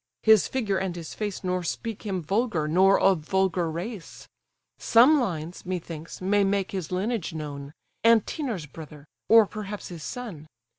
his figure and his face Nor speak him vulgar, nor of vulgar race; Some lines, methinks, may make his lineage known, Antenor's brother, or perhaps his son."